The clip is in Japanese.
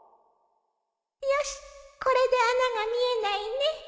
よしこれで穴が見えないね